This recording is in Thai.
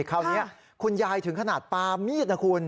คราวนี้คุณยายถึงขนาดปลามีดนะคุณ